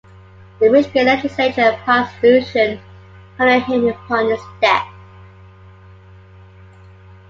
The Michigan Legislature passed a resolution honoring him upon his death.